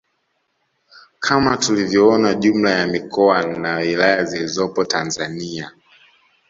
Kama tulivyoona jumla ya mikoa na wilaya zilizopo Tanzania